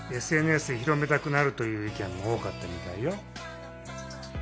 ＳＮＳで広めたくなるという意見も多かったみたいよ。